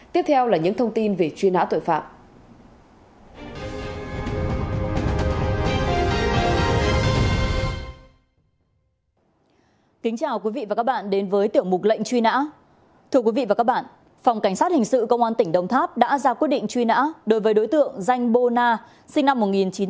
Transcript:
tiếp theo là những thông tin về truy nã tội phạm